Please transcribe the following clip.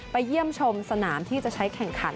เยี่ยมชมสนามที่จะใช้แข่งขัน